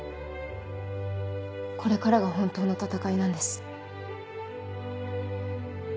これからが本当の戦いなんです。